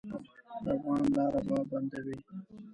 د افغان لاره به بندوي.